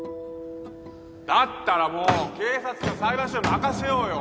だったらもう警察か裁判所に任せようよ